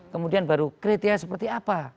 kemudian baru kriteria seperti apa